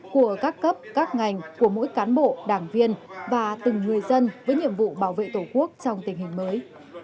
của các cấp các ngành của mỗi cán bộ đảng viên và từng người dân với nhiệm vụ bảo vệ tổ quốc trong tình hình mới